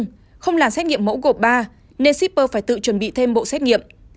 nhưng không làm xét nghiệm mẫu gộp ba nên shipper phải tự chuẩn bị thêm bộ xét nghiệm